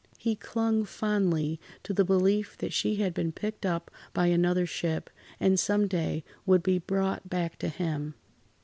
He clung fondly to the belief that she had been picked up by another ship, and some day would be brought back to him.